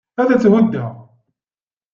Ad tt-huddeɣ.